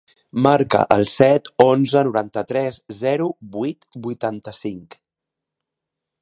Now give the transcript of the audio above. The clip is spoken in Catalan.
Marca el set, onze, noranta-tres, zero, vuit, vuitanta-cinc.